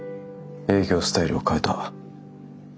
営業スタイルを変えた。